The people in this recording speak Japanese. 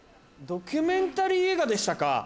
ドキュメンタリー映画でしたか。